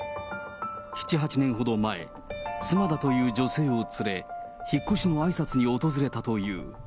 ７、８年ほど前、妻だという女性を連れ、引っ越しのあいさつに訪れたという。